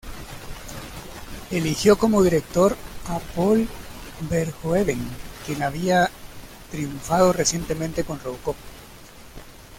Eligió como director a Paul Verhoeven, quien había triunfado recientemente con "RoboCop".